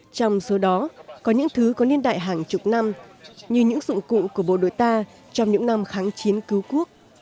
trong số đó có những thứ có niên đại hàng chục năm như những dụng cụ của bộ đội ta trong những năm kháng chiến cứu quốc